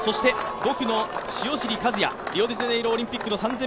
５区の塩尻和也、リオデジャネイロオリンピック３０００